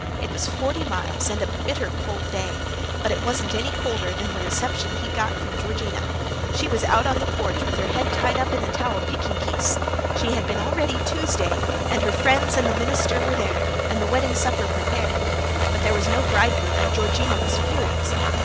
It was forty miles and a bitter cold day. But it wasn't any colder than the reception he got from Georgina. She was out in the porch, with her head tied up in a towel, picking geese. She had been all ready Tuesday, and her friends and the minister were there, and the wedding supper prepared. But there was no bridegroom and Georgina was furious.